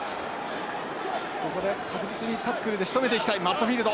ここで確実にタックルでしとめていきたいマットフィールド。